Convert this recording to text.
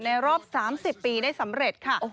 รอบ๓๐ปีได้สำเร็จค่ะ